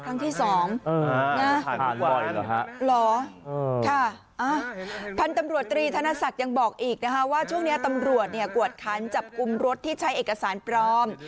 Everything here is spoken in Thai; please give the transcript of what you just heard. เหรอค่ะพันธุ์ตำรวจตรีธนศักดิ์ยังบอกอีกนะคะว่าช่วงนี้ตำรวจเนี่ยกวดคันจับกลุ่มรถที่ใช้เอกสารปลอม